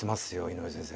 井上先生